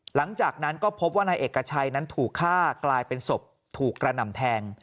หลังจากนั้นก็พบว่านายเอกชัยนั้นถูกฆ่ากลายเป็นศพถูกกระหน่ำแทง